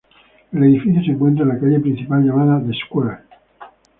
El edificio se encuentra en la calle principal llamada "The Square".